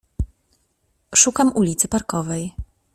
Szukam ulicy Parkowej.